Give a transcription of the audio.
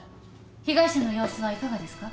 被害者の様子はいかがですか？